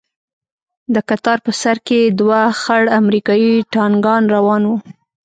د کتار په سر کښې دوه خړ امريکايي ټانگان روان وو.